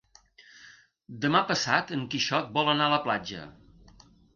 Demà passat en Quixot vol anar a la platja.